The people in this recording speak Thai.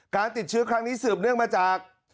การติดเชื้อครั้งนี้สืบเนื่องมาจาก